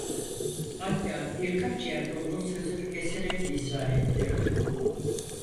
Hatta birkaç yerde onun sözünü keserek izah ettirdi.